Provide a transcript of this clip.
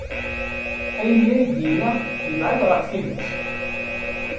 Ayen ay d-yenna yebɛed ɣef tidet.